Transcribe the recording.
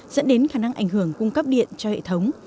dẫn đến khả năng ảnh hưởng cung cấp điện cho hệ thống